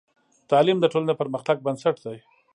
تعلیم د ټولنې د پرمختګ بنسټ دی.